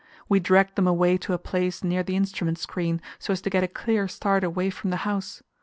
We dragged them away to a place near the instrument screen, so as to get a clear start away from the house.